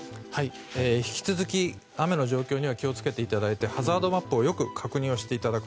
引き続き雨の状況には気を付けていただいてハザードマップをよく確認していただく。